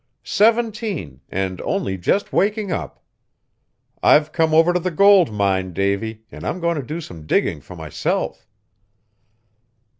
Seventeen, and only just waking up! I've come over to the gold mine, Davy, and I'm going to do some digging for myself."